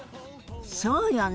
そうよね！